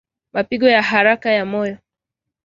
Mapigo ya haraka ya moyo